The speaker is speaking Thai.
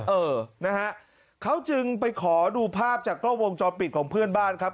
เออนะฮะเขาจึงไปขอดูภาพจากกล้องวงจรปิดของเพื่อนบ้านครับ